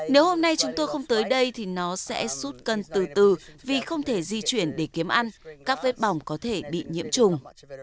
nếu hôm nay chúng tôi không tới đây thì nó sẽ sút cân từ từ vì không thể di chuyển để kiếm ăn các vết bỏng có thể bị nhiễm trùng